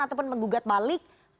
ataupun menggugat balik